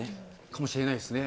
かもしれないですね。